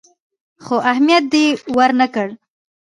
خو اهميت دې ورنه کړ.